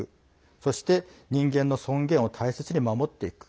そして、人間の尊厳を大切に守っていく。